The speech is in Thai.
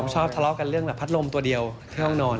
ทะเลาะกันเรื่องแบบพัดลมตัวเดียวที่ห้องนอน